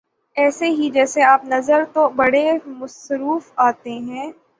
ایسے ہی جیسے آپ نظر تو بڑے مصروف آتے ہیں